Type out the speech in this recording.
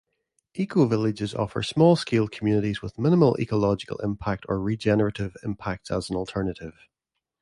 Ecovillages offer small-scale communities with minimal ecological impact or regenerative impacts as an alternative.